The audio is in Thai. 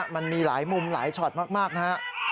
มันมีหลายมุมหลายช็อตมากนะครับ